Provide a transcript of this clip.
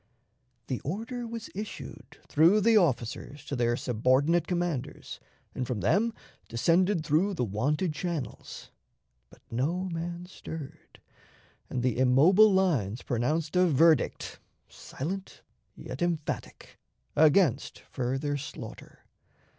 'The order was issued through the officers to their subordinate commanders, and from them descended through the wonted channels; but no man stirred, and the immobile lines pronounced a verdict, silent yet emphatic, against further slaughter.